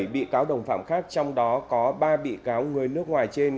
một mươi bảy bị cáo đồng phạm khác trong đó có ba bị cáo người nước ngoài trên